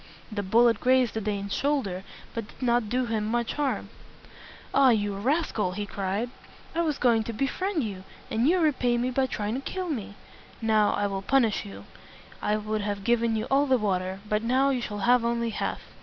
The bullet grazed the Dane's shoulder, but did not do him much harm. "Ah, you rascal!" he cried. "I was going to befriend you, and you repay me by trying to kill me. Now I will punish you. I would have given you all the water, but now you shall have only half."